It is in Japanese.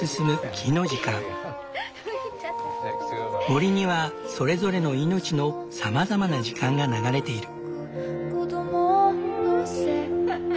森にはそれぞれの命のさまざまな時間が流れている。